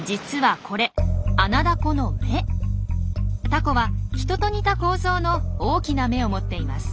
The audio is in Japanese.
タコは人と似た構造の大きな目を持っています。